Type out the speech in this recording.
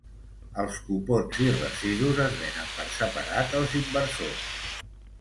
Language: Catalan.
Els cupons i residus es venen per separat als inversors.